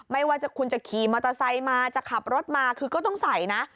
ไม่ว่าคุณจะขี่มอเตอร์ไซค์มาจะขับรถมาคือก็ต้องใส่นะ